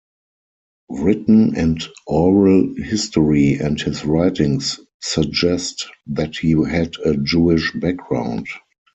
Written and oral history and his writings suggest that he had a Jewish background.